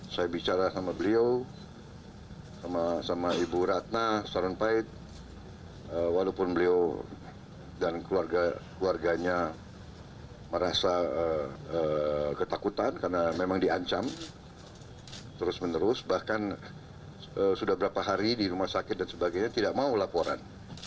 saya bicara sama beliau sama sama ibu ratna sarun pahit walaupun beliau dan keluarga keluarganya merasa ketakutan karena memang diancam terus menerus bahkan sudah berapa hari di rumah sakit dan sebagainya tidak mau laporan